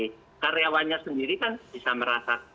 tapi karyawannya sendiri kan bisa